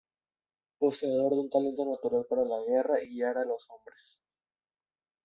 Poseedor de un talento natural para la guerra y guiar a los hombres.